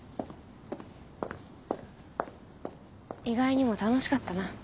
意外にも楽しかったな。